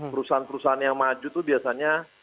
perusahaan perusahaan yang maju itu biasanya